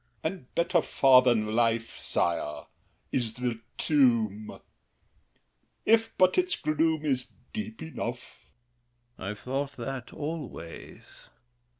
L'ANGELY. And better far than life, sire, is the tomb, If but its gloom is deep enough! THE KING. I've thought That always!